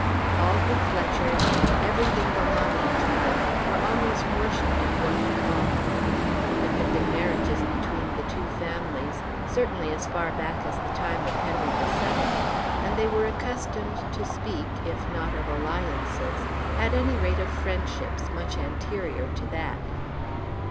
All the Fletchers and everything belonging to them were almost worshipped at Wharton Hall. There had been marriages between the two families certainly as far back as the time of Henry VII, and they were accustomed to speak, if not of alliances, at any rate of friendships, much anterior to that.